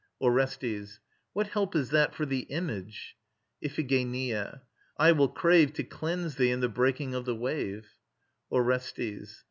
ORESTES. What help is that for the Image? IPHIGENIA. I will crave To cleanse thee in the breaking of the wave. ORESTES.